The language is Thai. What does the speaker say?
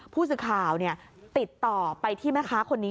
ผู้สื่อข่าวติดต่อไปที่แม่ค้าคนนี้